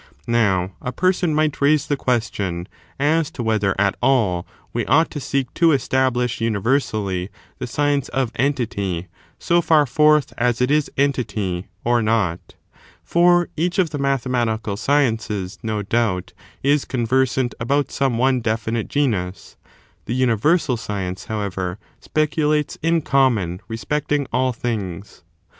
[bOOK X. Now, a person might raise the question as to the ▼aiidHy of whether at all we ought to seek to establish imi ^^^hysicai yersally the science of entity, so far forth as it is entity, or not 1 For each of the mathematical sci ences, no doubt, is conversant about some one definite genus ; the universal science,, however, speculates in common respect ing all things.